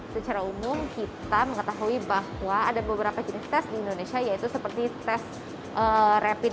secara umum kita mengetahui bahwa ada beberapa jenis tes di indonesia yaitu seperti tes rapid